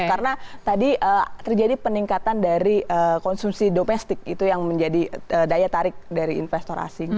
karena tadi terjadi peningkatan dari konsumsi domestik itu yang menjadi daya tarik dari investor asing